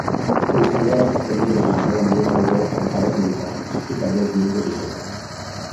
Conserva la fusteria original, amb llurs banderes tancades amb vitralls, i també els llums originals.